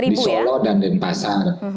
di solo dan di pasar